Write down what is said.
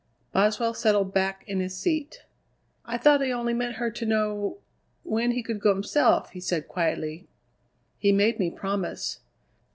Boswell settled back in his seat. "I thought he only meant her to know when he could go himself," he said quietly. "He made me promise."